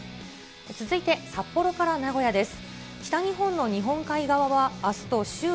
続いて札幌から名古屋です。